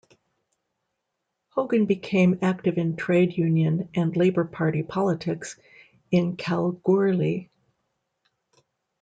Hogan became active in trade union and Labor Party politics in Kalgoorlie.